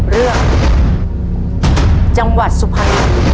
เรื่องจังหวัดสุพรรณ